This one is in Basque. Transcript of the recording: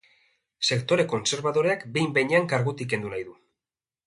Sektore kontserbadoreak behin-behinean kargutik kendu nahi du.